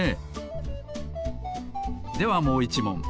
ではもう１もん！